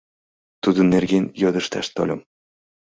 Тудын нерген йодышташ тольым....